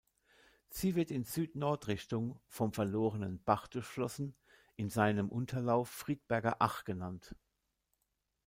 Sie wird in Süd-Nord-Richtung vom "Verlorenen Bach" durchflossen, in seinem Unterlauf Friedberger Ach genannt.